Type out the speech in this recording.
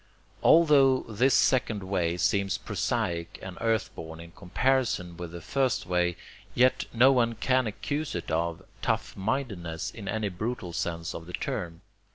Altho this second way seems prosaic and earthborn in comparison with the first way, yet no one can accuse it of tough mindedness in any brutal sense of the term.